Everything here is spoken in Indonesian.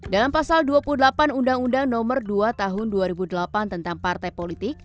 dalam pasal dua puluh delapan undang undang nomor dua tahun dua ribu delapan tentang partai politik